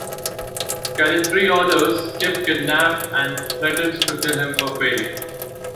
Calitri orders Kip kidnapped and threatens to kill him for failing.